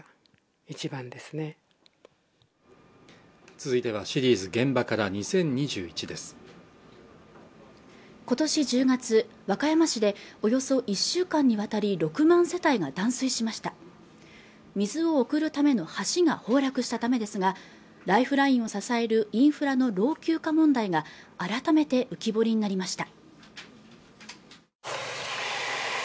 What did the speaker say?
続いてはシリーズ「現場から、２０２１」です今年１０月和歌山市でおよそ１週間にわたり６万世帯が断水しました水を送るための橋が崩落したためですがライフラインを支えるインフラの老朽化問題が改めて浮き彫りになりました